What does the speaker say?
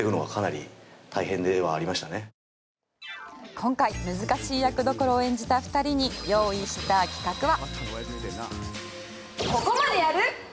今回、難しい役どころを演じた２人に用意した企画は。